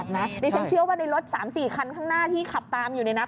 นี่ฉันเชื่อว่าในรถ๓๔คันข้างหน้าที่ขับตามอยู่เนี่ยนะ